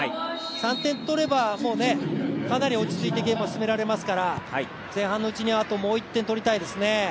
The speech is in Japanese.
３点取れば、かなり落ち着いてゲームを進められますから前半のうちにあともう１点とりたいですね。